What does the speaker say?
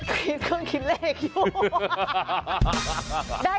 คิดเรื่องคิดเลขอยู่